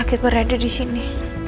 sakit berade disini